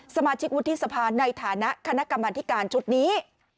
สมาชิกวุฒิสภาในฐานะคณะกรรมธิการชุดนี้